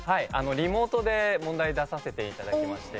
リモートで問題出させて頂きまして。